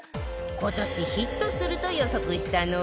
今年ヒットすると予測したのは